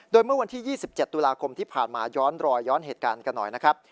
โดยเมื่อวันที่๒๗ตุลาคมที่ผ่านมาย้อนรอยย้อนเหตุการณ์กันหน่อยนะครับ